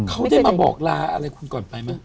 เขาได้มาบอกลาอะไรคุณก่อนไปไหม